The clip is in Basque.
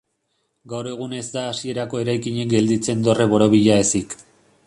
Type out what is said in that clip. Gaur egun ez da hasierako eraikinik gelditzen dorre borobila ezik.